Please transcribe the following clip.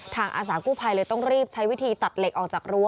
อาสากู้ภัยเลยต้องรีบใช้วิธีตัดเหล็กออกจากรั้